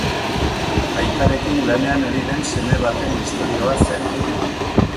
Aitarekin lanean ari den seme baten istorioa zen.